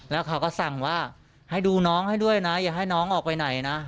แล้วเขาก็สั่งว่าให้ดูน้องให้ด้วยนะอย่าให้น้องออกไปไหนนะ